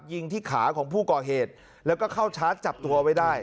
ยิงที่ขาของผู้ก่อเหตุแล้วก็เข้าชาร์จจับตัวไว้ได้